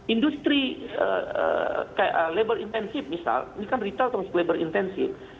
industri labor intensive misal ini kan retail atau labor intensive